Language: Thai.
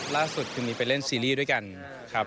ล่าสุดคืนนี้ไปเล่นซีรีส์ด้วยกันครับ